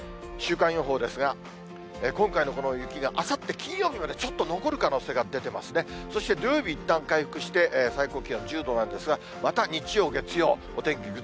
週間予報ですが、今回のこの雪があさって金曜日までちょっと残る可能性が出てますね、そして土曜日、いったん回復して、最高気温１０度なんですが、また日曜、月曜、お天気